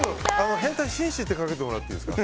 変態紳士！ってかけてもらっていいですか。